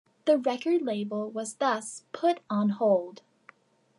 The record label was thus put on hold.